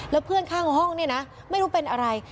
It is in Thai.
แล้วเพื่อนข้างห้องเนี่ยนะไม่รู้เป็นอะไร